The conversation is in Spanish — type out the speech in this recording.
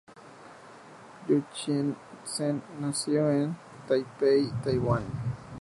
Yu Chien Tseng nació en Taipei, Taiwán.